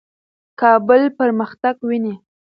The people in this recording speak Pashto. کابل پرمختګ ویني.